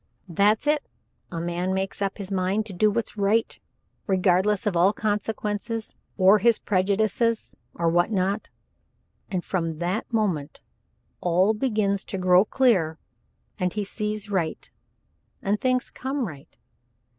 "That's it. A man makes up his mind to do what's right regardless of all consequences or his prejudices, or what not, and from that moment all begins to grow clear, and he sees right and things come right.